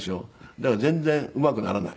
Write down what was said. だから全然うまくならない。